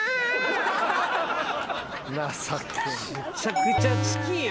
めちゃくちゃチキンや。